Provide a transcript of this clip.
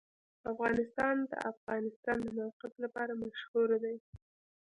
افغانستان د د افغانستان د موقعیت لپاره مشهور دی.